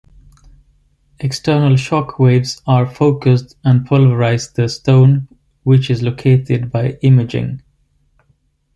External shockwaves are focused and pulverize the stone which is located by imaging.